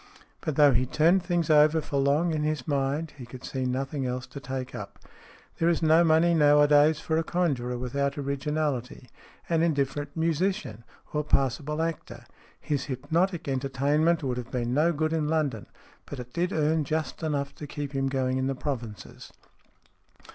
But though he turned things over for long in his mind, he could see nothing else to take up. There is no money nowadays for a conjurer without originality, an indifferent musician, or passable actor. His hypnotic entertainment would have been no good in London, but it did earn just enough to keep him going in the provinces.